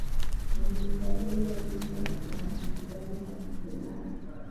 bi ingabire elize na diudune hakizimana